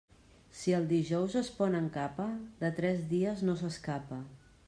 Si el dijous es pon amb capa, de tres dies no s'escapa.